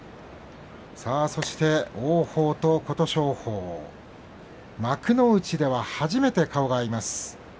そして王鵬と琴勝峰幕内では初めて顔が合います。